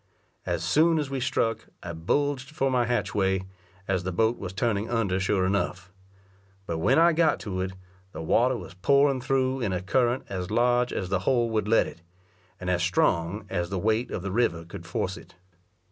As soon as we struck, I bulged for my hatchway, as the boat was turning under sure enough. But when I got to it, the water was pouring thro' in a current as large as the hole would let it, and as strong as the weight of the river could force it.